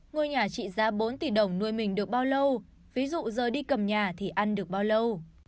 ngôi nhà trị giá bốn tỷ đồng nuôi mình được bao lâu ví dụ giờ đi cầm nhà thì ăn được bao lâu